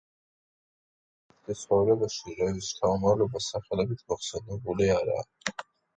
ქართლის ცხოვრებაში რევის შთამომავლობა სახელებით მოხსენიებული არაა.